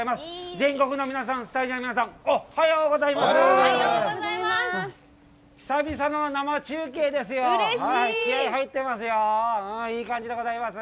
全国の皆さん、スタジオの皆さん、おっはようございます。